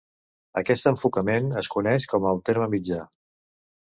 Aquest enfocament es coneix com el "terme mitjà".